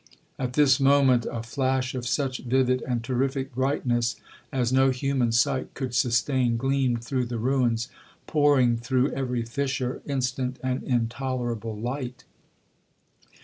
'At this moment a flash of such vivid and terrific brightness as no human sight could sustain, gleamed through the ruins, pouring through every fissure instant and intolerable light.